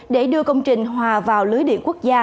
để đưa công trình hòa vào lưới điện quốc gia